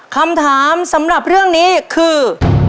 คำถามสำหรับเรื่องนี้คือ